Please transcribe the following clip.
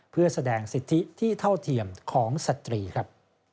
เพื่อแสดงสิทธิที่เท่าเทียมของสตรีครับ